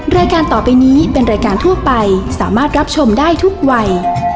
รายการต่อไปนี้เป็นรายการทั่วไปสามารถรับชมได้ทุกวัย